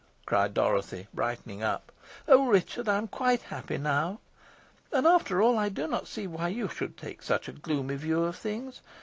cried Dorothy, brightening up. "Oh, Richard! I am quite happy now. And after all I do not see why you should take such a gloomy view of things.